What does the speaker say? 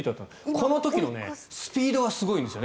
この時のスピードがすごいんですよね。